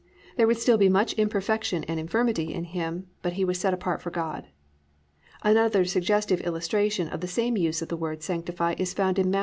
There would still be much imperfection and infirmity in him, but he was set apart for God. Another suggestive illustration of the same use of the word Sanctify is found in Matt.